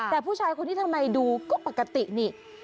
แต่ผู้ชายคนนี้ทำไมดูก็ปกตินี่